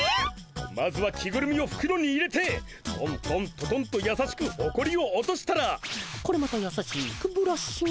まずは着ぐるみをふくろに入れてトントントトンとやさしくほこりを落としたらこれまたやさしくブラッシングだ。